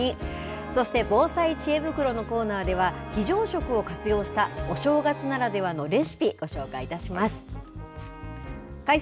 そして防災知恵袋のコーナーでは、非常食を活用したお正月ならではのレシピ、ご紹介いたします。